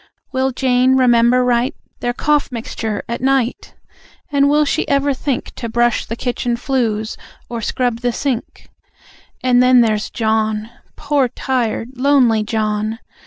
Will Jane remember right Their cough mixture at night? And will she ever think To brush the kitchen flues, or scrub the sink? And then, there's John! Poor tired lonely John!